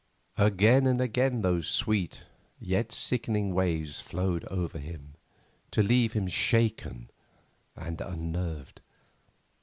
Again and again those sweet, yet sickening waves flowed over him, to leave him shaken and unnerved.